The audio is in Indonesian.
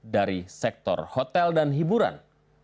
dari sektor hotel dan hiburan